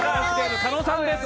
狩野さんです。